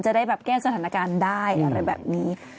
จะได้แก้สถานการณ์ได้